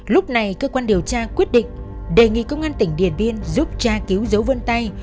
lúc này cơ quan điều tra quyết định đề nghị công an tỉnh điện biên giúp tra cứu dấu vân tay